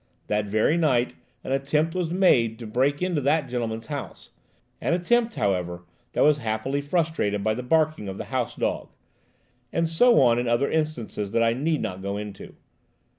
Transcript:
That very night an attempt was made to break into that gentleman's house–an attempt, however, that was happily frustrated by the barking of the house dog. And so on in other instances that I need not go into.